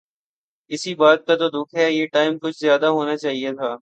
اسی بات کا تو دکھ ہے۔ یہ ٹائم کچھ زیادہ ہونا چاہئے تھا